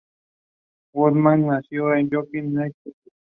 Womack nació en Jacksonville, Texas.